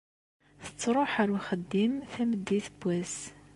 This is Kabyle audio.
Tettṛuḥ ar uxeddim tameddit n wass.